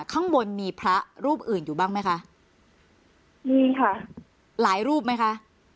ข้างบนมีพระรูปอื่นอยู่บ้างไหมคะมีค่ะหลายรูปไหมคะ